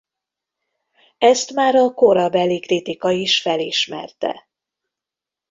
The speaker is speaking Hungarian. Ezt már a korabeli kritika is felismerte.